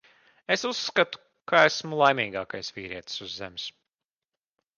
Es uzskatu, ka esmu laimīgākais vīrietis uz Zemes.